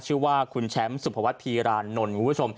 ชื่อว่าคุณแชมสุประวัติภีราณนนท์